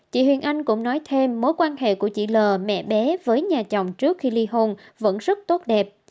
chị huyền anh cũng nói thêm mối quan hệ của chị l mẹ bé với nhà chồng trước khi ly hôn vẫn rất tốt đẹp